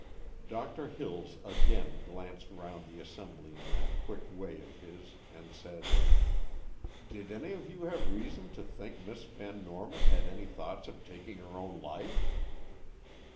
Doctor Hills again glanced round the assembly in that quick way of his, and said: "Did any of you have reason to think Miss Van Norman had any thought of taking her own life?"